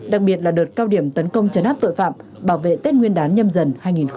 đặc biệt là đợt cao điểm tấn công chấn áp tội phạm bảo vệ tết nguyên đán nhâm dần hai nghìn hai mươi bốn